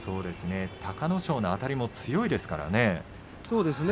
隆の勝のあたりも強いですからね。